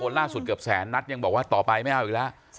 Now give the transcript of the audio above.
ล่าสุดเกือบแสนนัดยังบอกว่าต่อไปไม่เอาอีกแล้ว